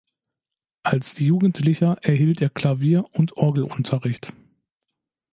Als Jugendlicher erhielt er Klavier- und Orgelunterricht.